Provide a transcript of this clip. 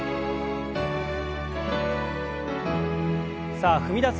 さあ踏み出す